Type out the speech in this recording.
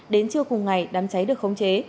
đến trưa cùng ngày đám cháy được khống chế